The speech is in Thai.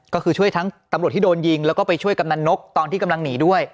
ก็คือช่วยทั้งตำรวจที่โดนยิงแล้วก็ไปช่วยกำนันนกตอนที่กำลังหนีด้วย